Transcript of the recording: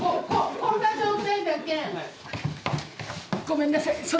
ごめんなさい